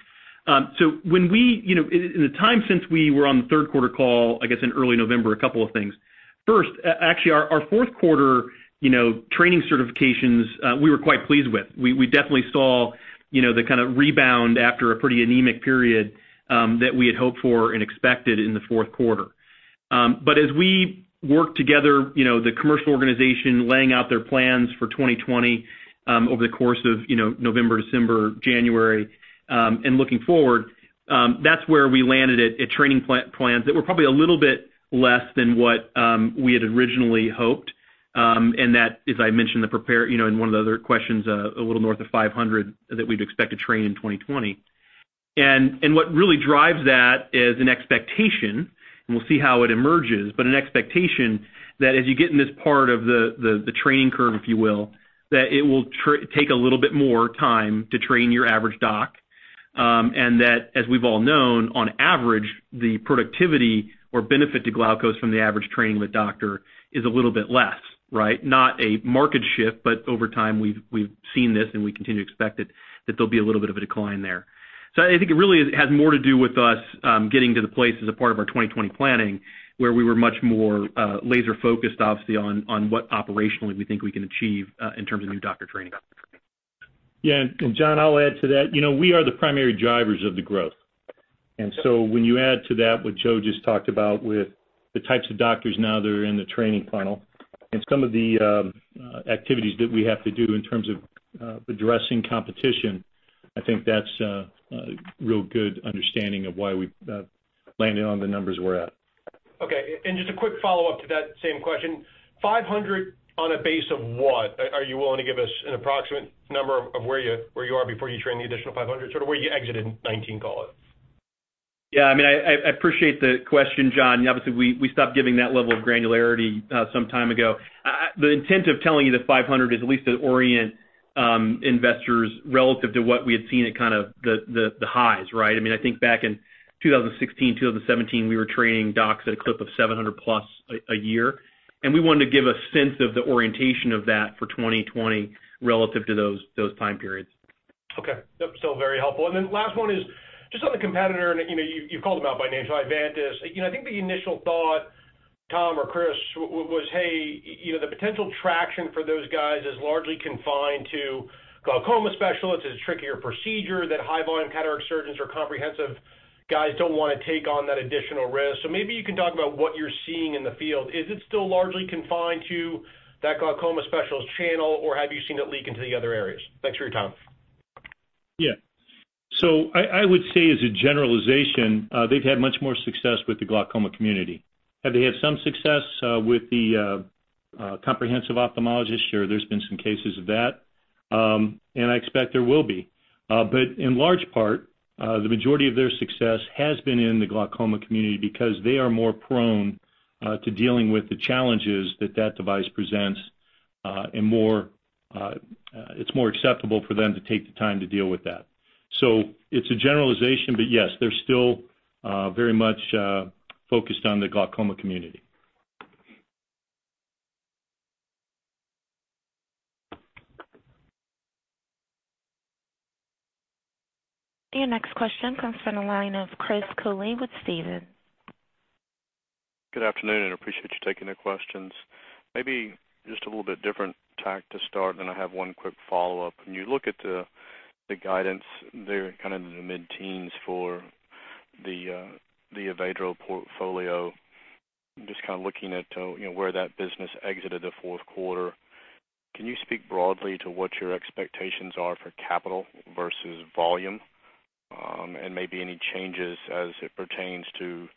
In the time since we were on the third quarter call, I guess in early November, a couple of things. First, actually, our fourth quarter training certifications, we were quite pleased with. We definitely saw the kind of rebound after a pretty anemic period that we had hoped for and expected in the fourth quarter. As we worked together, the commercial organization laying out their plans for 2020 over the course of November, December, January, and looking forward, that's where we landed at training plans that were probably a little bit less than what we had originally hoped. That, as I mentioned in one of the other questions, a little north of 500 that we'd expect to train in 2020. What really drives that is an expectation, and we'll see how it emerges, but an expectation that as you get in this part of the training curve, if you will, that it will take a little bit more time to train your average doc. That, as we've all known, on average, the productivity or benefit to Glaukos from the average training with doctor is a little bit less, right? Not a market shift, but over time, we've seen this, and we continue to expect it, that there'll be a little bit of a decline there. I think it really has more to do with us getting to the place as a part of our 2020 planning where we were much more laser-focused, obviously, on what operationally we think we can achieve in terms of new doctor training. Yeah. John, I'll add to that. We are the primary drivers of the growth. When you add to that what Joe just talked about with the types of doctors now that are in the training funnel and some of the activities that we have to do in terms of addressing competition, I think that's a real good understanding of why we landed on the numbers we're at. Okay. Just a quick follow-up to that same question. 500 on a base of what? Are you willing to give us an approximate number of where you are before you train the additional 500? Sort of where you exited in 2019, call it. Yeah. I appreciate the question, John. Obviously, we stopped giving that level of granularity some time ago. The intent of telling you the 500 is at least to orient investors relative to what we had seen at kind of the highs, right? I think back in 2016, 2017, we were training docs at a clip of 700+ a year. We wanted to give a sense of the orientation of that for 2020 relative to those time periods. Okay. Still very helpful. Last one is just on the competitor, and you've called them out by name, so Ivantis. I think the initial thought, Tom or Chris, was, hey, the potential traction for those guys is largely confined to glaucoma specialists is a trickier procedure that high-volume cataract surgeons or comprehensive guys don't want to take on that additional risk. Maybe you can talk about what you're seeing in the field. Is it still largely confined to that glaucoma specialist channel, or have you seen it leak into the other areas? Thanks for your time. Yeah. I would say as a generalization, they've had much more success with the glaucoma community. Have they had some success with the comprehensive ophthalmologist? Sure, there's been some cases of that, and I expect there will be. In large part, the majority of their success has been in the glaucoma community because they are more prone to dealing with the challenges that that device presents, and it's more acceptable for them to take the time to deal with that. It's a generalization, yes, they're still very much focused on the glaucoma community. Your next question comes from the line of Chris Cooley with Stephens. Good afternoon. Appreciate you taking the questions. Maybe just a little bit different tack to start. I have one quick follow-up. When you look at the guidance there, kind of in the mid-teens for the Avedro portfolio, just kind of looking at where that business exited the fourth quarter, can you speak broadly to what your expectations are for capital versus volume? Maybe any changes as it pertains to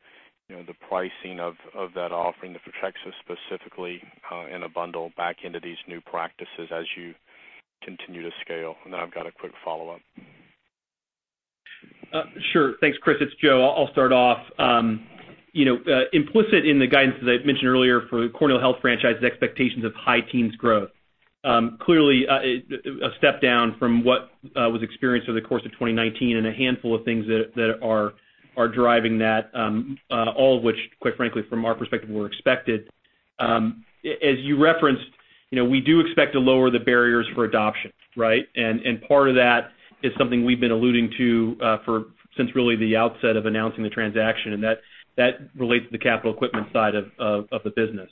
the pricing of that offering, the Photrexa specifically, in a bundle back into these new practices as you continue to scale. I've got a quick follow-up. Sure. Thanks, Chris. It's Joe. I'll start off. Implicit in the guidance, as I mentioned earlier for the corneal health franchise, expectations of high teens growth. Clearly, a step down from what was experienced over the course of 2019 and a handful of things that are driving that, all of which, quite frankly, from our perspective, were expected. As you referenced, we do expect to lower the barriers for adoption, right? Part of that is something we've been alluding to since really the outset of announcing the transaction, and that relates to the capital equipment side of the business.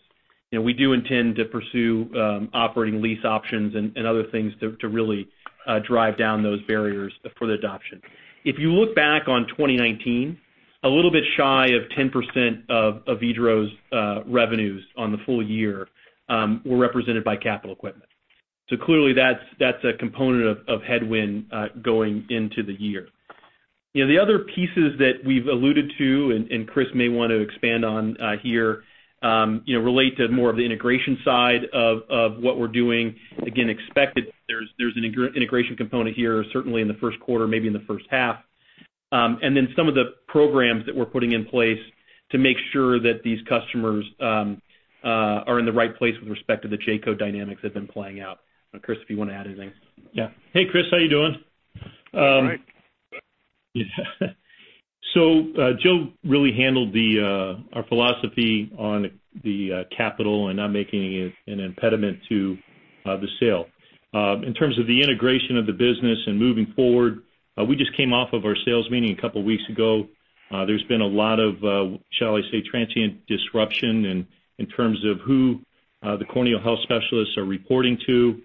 We do intend to pursue operating lease options and other things to really drive down those barriers for the adoption. If you look back on 2019, a little bit shy of 10% of Avedro's revenues on the full year were represented by capital equipment. Clearly that's a component of headwind going into the year. The other pieces that we've alluded to, and Chris may want to expand on here, relate to more of the integration side of what we're doing. Again, expected there's an integration component here, certainly in the first quarter, maybe in the first half. Then some of the programs that we're putting in place to make sure that these customers are in the right place with respect to the J-code dynamics that have been playing out. Chris, if you want to add anything. Yeah. Hey, Chris, how you doing? All right. Joe really handled our philosophy on the capital and not making it an impediment to the sale. In terms of the integration of the business and moving forward, we just came off of our sales meeting a couple of weeks ago. There's been a lot of, shall I say, transient disruption in terms of who the corneal health specialists are reporting to.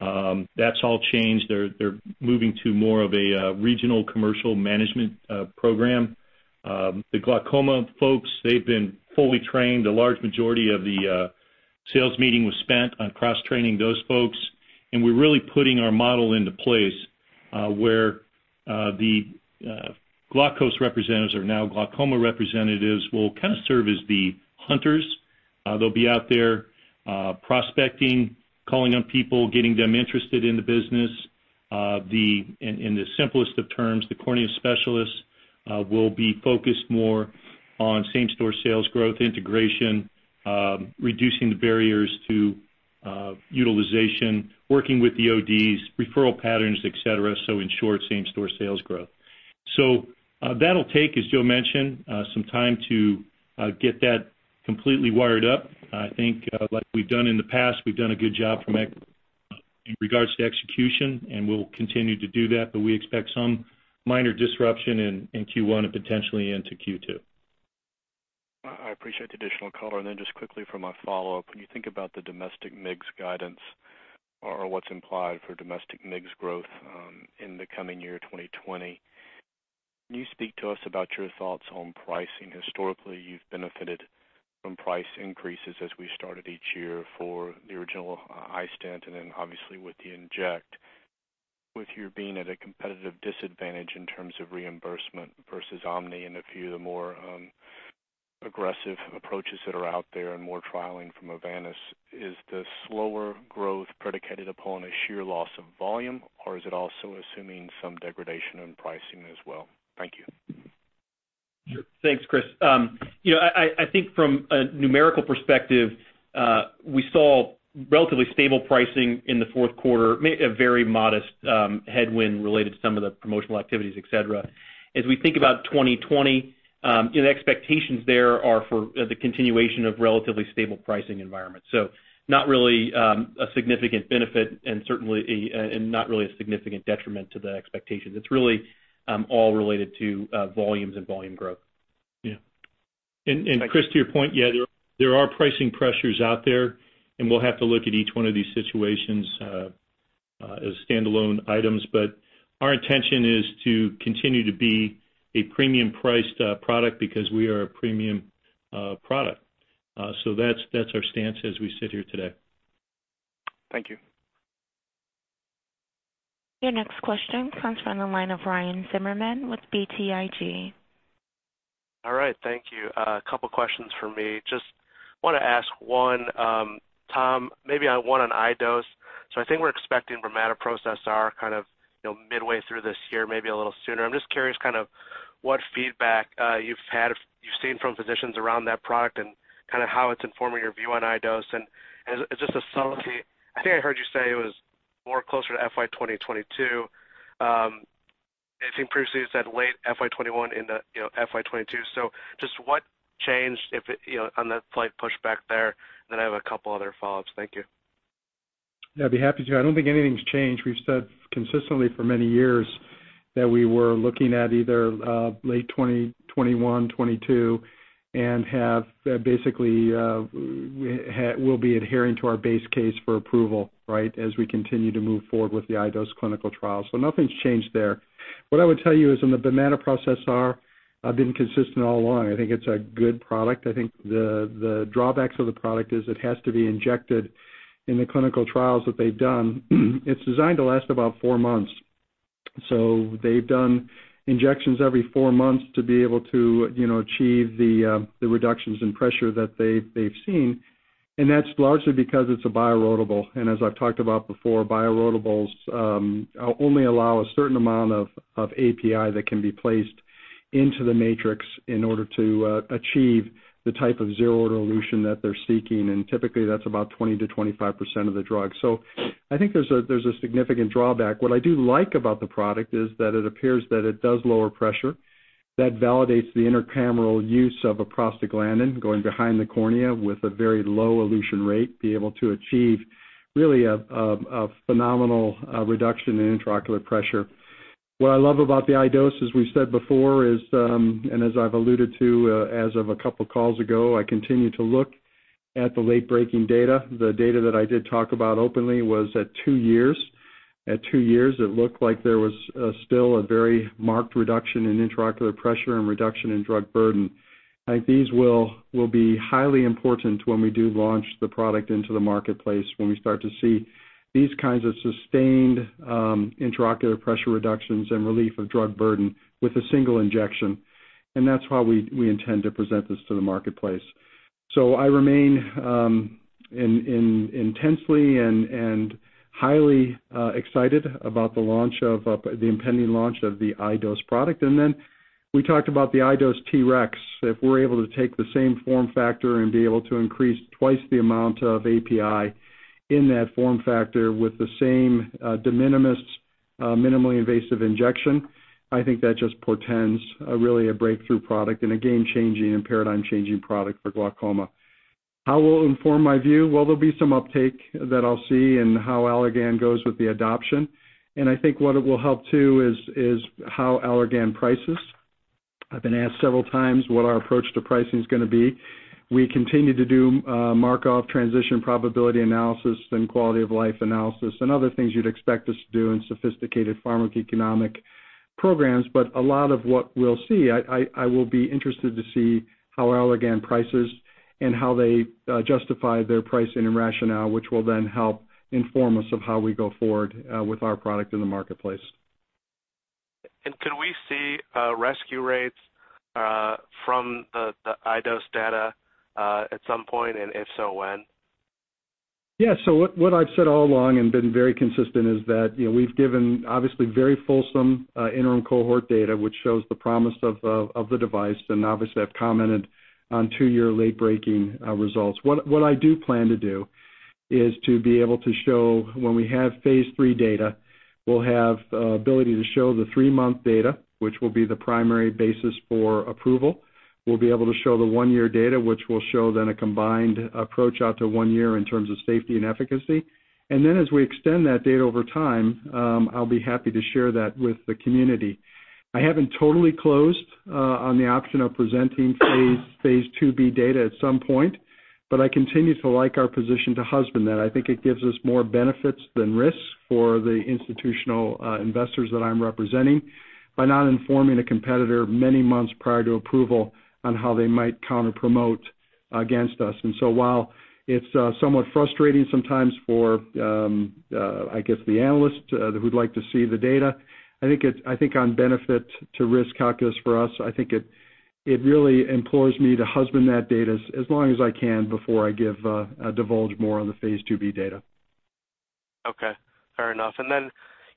That's all changed. They're moving to more of a regional commercial management program. The glaucoma folks, they've been fully trained. A large majority of the sales meeting was spent on cross-training those folks, and we're really putting our model into place, where the Glaukos representatives are now glaucoma representatives will kind of serve as the hunters. They'll be out there prospecting, calling on people, getting them interested in the business. In the simplest of terms, the cornea specialists will be focused more on same-store sales growth, integration, reducing the barriers to utilization, working with the ODs, referral patterns, et cetera. In short, same-store sales growth. That'll take, as Joe mentioned, some time to get that completely wired up. I think, like we've done in the past, we've done a good job in regards to execution, and we'll continue to do that, but we expect some minor disruption in Q1 and potentially into Q2. I appreciate the additional color. Just quickly for my follow-up, when you think about the domestic MIGS guidance or what's implied for domestic MIGS growth in the coming year, 2020, can you speak to us about your thoughts on pricing? Historically, you've benefited from price increases as we started each year for the original iStent, and then obviously with the Inject, with you being at a competitive disadvantage in terms of reimbursement versus Omni and a few of the more aggressive approaches that are out there and more trialing from Ivantis. Is the slower growth predicated upon a sheer loss of volume, or is it also assuming some degradation in pricing as well? Thank you. Sure. Thanks, Chris. I think from a numerical perspective, we saw relatively stable pricing in the fourth quarter, a very modest headwind related to some of the promotional activities, et cetera. As we think about 2020, expectations there are for the continuation of relatively stable pricing environments. Not really a significant benefit and certainly not really a significant detriment to the expectations. It's really all related to volumes and volume growth. Yeah. Chris, to your point, yeah, there are pricing pressures out there, and we'll have to look at each one of these situations as standalone items. Our intention is to continue to be a premium-priced product because we are a premium product. That's our stance as we sit here today. Thank you. Your next question comes from the line of Ryan Zimmerman with BTIG. All right. Thank you. A couple questions from me. Just want to ask one, Tom, maybe on one on iDose. I think we're expecting latanoprost SR kind of midway through this year, maybe a little sooner. I'm just curious kind of what feedback you've seen from physicians around that product and kind of how it's informing your view on iDose. Just to solidify, I think I heard you say it was more closer to FY 2022. I think previously you said late FY 2021 into FY 2022. Just what changed on the slight pushback there? I have a couple other follow-ups. Thank you. Yeah, I'd be happy to. I don't think anything's changed. We've said consistently for many years that we were looking at either late 2021, 2022, and have basically, we'll be adhering to our base case for approval, right, as we continue to move forward with the iDose clinical trial. Nothing's changed there. What I would tell you is on the latanoprost SR, I've been consistent all along. I think it's a good product. I think the drawbacks of the product is it has to be injected in the clinical trials that they've done. It's designed to last about four months. They've done injections every four months to be able to achieve the reductions in pressure that they've seen. That's largely because it's a bioerodible. As I've talked about before, bioerodibles only allow a certain amount of API that can be placed into the matrix in order to achieve the type of zero dilution that they're seeking. Typically, that's about 20%-25% of the drug. I think there's a significant drawback. What I do like about the product is that it appears that it does lower pressure. That validates the intracameral use of a prostaglandin going behind the cornea with a very low elution rate, be able to achieve really a phenomenal reduction in intraocular pressure. What I love about the iDose, as we said before, is, and as I've alluded to as of a couple calls ago, I continue to look at the late-breaking data. The data that I did talk about openly was at two years. At two years, it looked like there was still a very marked reduction in intraocular pressure and reduction in drug burden. I think these will be highly important when we do launch the product into the marketplace, when we start to see these kinds of sustained intraocular pressure reductions and relief of drug burden with a single injection. That is why we intend to present this to the marketplace. I remain intensely and highly excited about the impending launch of the iDose product. We talked about the iDose TREX. If we are able to take the same form factor and be able to increase twice the amount of API in that form factor with the same de minimis minimally invasive injection, I think that just portends really a breakthrough product and a game-changing and paradigm-changing product for glaucoma. How will it inform my view? Well, there'll be some uptake that I'll see in how Allergan goes with the adoption. I think what it will help too is how Allergan prices. I've been asked several times what our approach to pricing is going to be. We continue to do Markov transition probability analysis and quality-of-life analysis and other things you'd expect us to do in sophisticated pharmacoeconomic programs. A lot of what we'll see, I will be interested to see how Allergan prices and how they justify their pricing and rationale, which will then help inform us of how we go forward with our product in the marketplace. Can we see rescue rates from the iDose data at some point? If so, when? Yeah, what I've said all along and been very consistent is that we've given obviously very fulsome interim cohort data, which shows the promise of the device. Obviously, I've commented on two-year late-breaking results. What I do plan to do is to be able to show when we have phase III data. We'll have ability to show the three-month data, which will be the primary basis for approval. We'll be able to show the one-year data, which will show then a combined approach out to one year in terms of safety and efficacy. Then as we extend that data over time, I'll be happy to share that with the community. I haven't totally closed on the option of presenting phase II-B data at some point, but I continue to like our position to husband that. I think it gives us more benefits than risks for the institutional investors that I'm representing by not informing a competitor many months prior to approval on how they might counter promote against us. While it's somewhat frustrating sometimes for, I guess, the analysts who'd like to see the data, I think on benefit to risk calculus for us, I think it really employs me to husband that data as long as I can before I divulge more on the phase IIB data. Okay. Fair enough.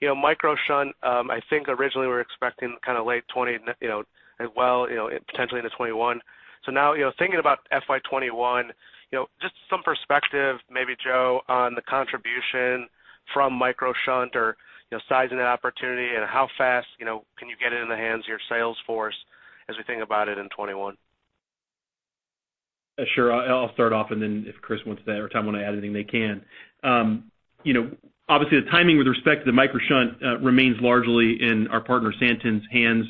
MicroShunt, I think originally we were expecting kind of late 2020, potentially into 2021. Now, thinking about FY 2021, just some perspective maybe, Joe, on the contribution from MicroShunt or sizing that opportunity and how fast can you get it in the hands of your sales force as we think about it in 2021? Sure. I'll start off, and then if Chris wants to or Tom want to add anything, they can. Obviously, the timing with respect to the MicroShunt remains largely in our partner Santen's hands.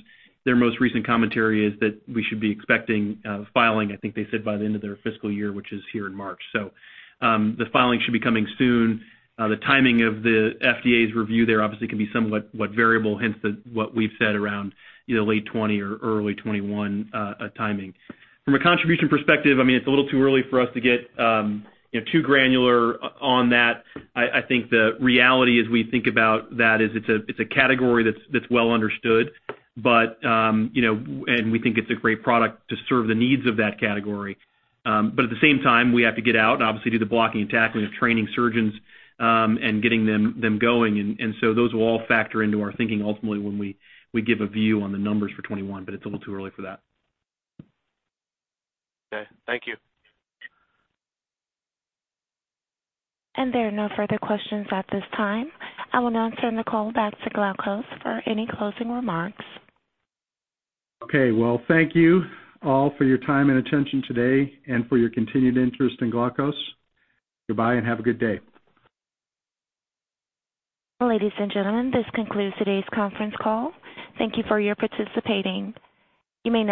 Their most recent commentary is that we should be expecting filing, I think they said by the end of their fiscal year, which is here in March. The filing should be coming soon. The timing of the FDA's review there obviously can be somewhat variable, hence what we've said around either late 2020 or early 2021 timing. From a contribution perspective, it's a little too early for us to get too granular on that. I think the reality as we think about that is it's a category that's well understood, and we think it's a great product to serve the needs of that category. At the same time, we have to get out and obviously do the blocking and tackling of training surgeons and getting them going. Those will all factor into our thinking ultimately when we give a view on the numbers for 2021, but it's a little too early for that. Okay. Thank you. There are no further questions at this time. I will now turn the call back to Glaukos for any closing remarks. Okay. Well, thank you all for your time and attention today and for your continued interest in Glaukos. Goodbye and have a good day. Ladies and gentlemen, this concludes today's conference call. Thank you for your participating. You may now.